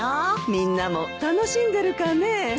みんなも楽しんでるかねえ。